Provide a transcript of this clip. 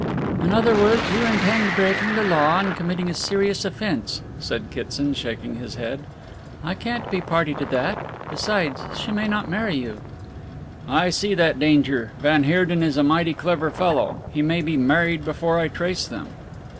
"In other words, you intend breaking the law and committing a serious offence," said Kitson, shaking his head. "I can't be a party to that besides, she may not marry you." "I see that danger van Heerden is a mighty clever fellow. He may be married before I trace them."